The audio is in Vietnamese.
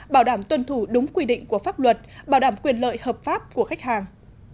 bảo đảm tuân thủ đúng quy định của pháp luật bảo đảm quyền lợi hợp pháp của khách hàng